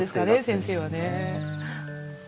先生はね。